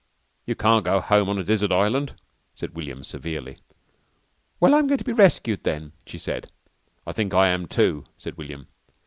"You can't go home on a desert island," said William severely. "Well, I'm going to be rescued then," she said. "I think I am, too," said William.